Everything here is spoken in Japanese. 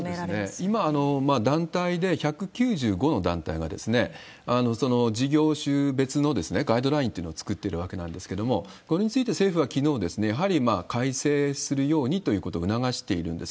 今、団体で１９５の団体が、事業種別のガイドラインっていうのを作ってるわけなんですけれども、これについて政府はきのう、やはり改正するようにということを促しているんです。